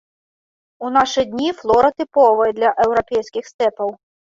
У нашы дні флора тыповая для еўрапейскіх стэпаў.